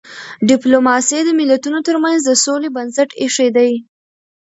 ډيپلوماسي د ملتونو ترمنځ د سولي بنسټ ایښی دی.